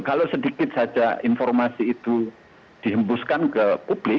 kalau sedikit saja informasi itu dihembuskan ke publik